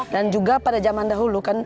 dan juga pada zaman dahulu kan